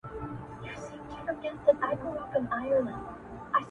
o اوس چي د چا نرۍ ، نرۍ وروځو تـه گورمه زه.